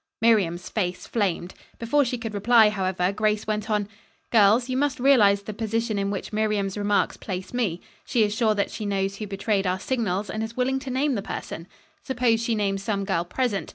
Miriam's face flamed. Before she could reply, however, Grace went on. "Girls you must realize the position in which Miriam's remarks place me. She is sure that she knows who betrayed our signals, and is willing to name the person. Suppose she names some girl present.